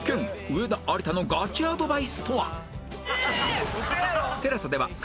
上田有田のガチアドバイスとは？